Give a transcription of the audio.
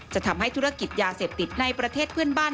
จะทำให้ธุรกิจยาเสพติดในประเทศเพื่อนบ้าน